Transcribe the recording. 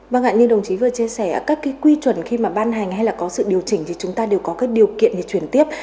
vâng ạ như đồng chí vừa chia sẻ các cái quy chuẩn khi mà ban hành hay là có sự điều chỉnh thì chúng ta đều có các điều kiện để chuyển tiếp